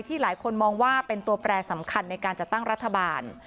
หลายคนมองว่าเป็นตัวแปรสำคัญในการจัดตั้งรัฐบาล